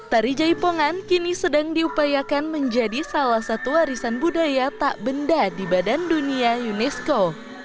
tari jaipongan kini sedang diupayakan menjadi salah satu warisan budaya tak benda di badan dunia unesco